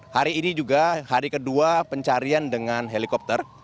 hari ini juga hari kedua pencarian dengan helikopter